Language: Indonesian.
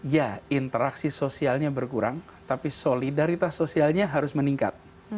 ya interaksi sosialnya berkurang tapi solidaritas sosialnya harus meningkat